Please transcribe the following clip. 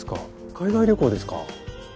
海外旅行ですか。